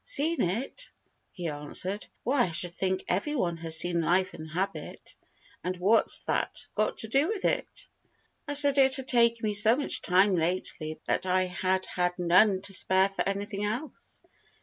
"Seen it?" he answered. "Why, I should think every one has seen Life and Habit: but what's that got to do with it?" I said it had taken me so much time lately that I had had none to spare for anything else.